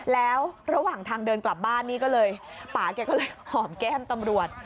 แล้วระหว่างทางเดินกลับบ้านปาก็เลยหอมแก้มตัมรวจ